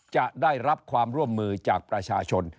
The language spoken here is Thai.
จะได้รับความร่วมมือจากประชาชน